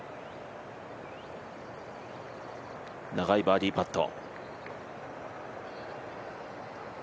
長いバーディーパット。